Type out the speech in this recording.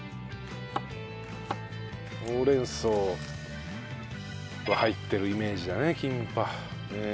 ほうれん草は入ってるイメージだねキンパ。